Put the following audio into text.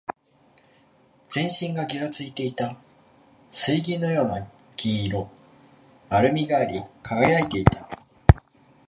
全身がぎらついていた。水銀のような銀色。丸みがあり、輝いていた。